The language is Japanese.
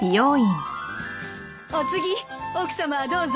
お次奥さまどうぞ。